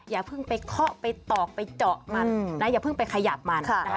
อย่าเพิ่งไปเคาะไปตอกไปเจาะมันนะอย่าเพิ่งไปขยับมันนะคะ